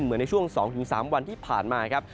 เหมือนในช่วง๒๓วันที่ผ่านมาครับ